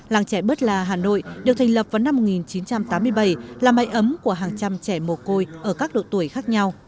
làng trẻ bơ la hà nội được thành lập vào năm một nghìn chín trăm tám mươi bảy là máy ấm của hàng trăm trẻ mồ côi ở các độ tuổi khác nhau